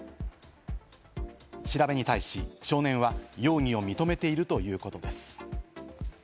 調べに対し少年は容疑を認めているということです。